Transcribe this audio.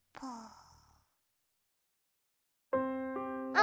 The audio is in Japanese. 「あ！」